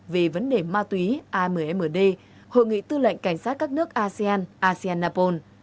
về vấn đề ma túy ammd hội nghị tư lệnh cảnh sát các nước asean asean napol